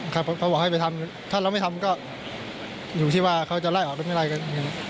เขาบอกให้ไปทำถ้าเราไม่ทำก็อยู่ที่ว่าเขาจะไล่ออกหรือไม่ไล่กัน